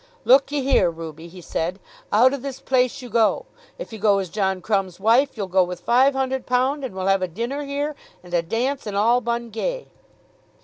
"Look ye here, Ruby," he said, "out o' this place you go. If you go as John Crumb's wife you'll go with five hun'erd pound, and we'll have a dinner here, and a dance, and all Bungay."